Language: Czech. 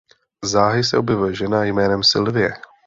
Záhy se objevuje žena jménem Sylvie.